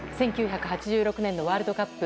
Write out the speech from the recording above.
１９８６年のワールドカップ。